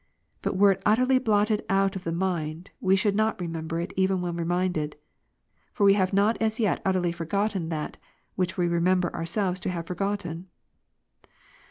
But were it utterly blotted out of the mind, we should not remember it, even when reminded. For we have not as yet utterly forgotten that, which we remember ourselves to have for gotten.